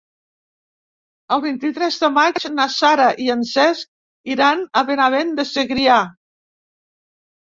El vint-i-tres de maig na Sara i en Cesc iran a Benavent de Segrià.